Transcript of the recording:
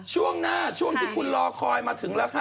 ช่วงหน้าช่วงที่คุณรอคอยมาถึงแล้วค่ะ